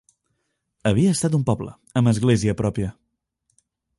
Havia estat un poble, amb església pròpia.